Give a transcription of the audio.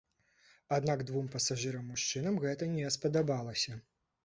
Аднак двум пасажырам-мужчынам гэта не спадабалася.